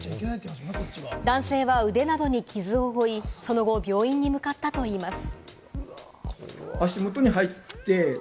男性は腕などに傷を負い、その後、病院に向かったといいます。